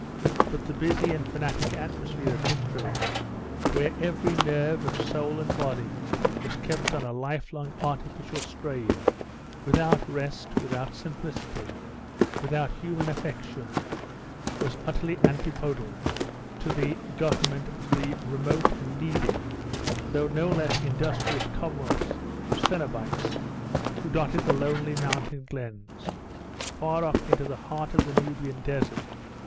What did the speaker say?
But the busy and fanatic atmosphere of Nitria, where every nerve of soul and body was kept on a life long artificial strain, without rest, without simplicity, without human affection, was utterly antipodal to the government of the remote and needy, though no less industrious commonwealths of Coenobites, who dotted the lonely mountain glens, far up into the heart of the Nubian desert.